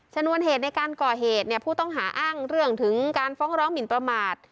ชนวนเหตุในการก่อเหตุเนี่ยผู้ต้องหาอ้างเรื่องถึงการฟ้องร้องหมินประมาท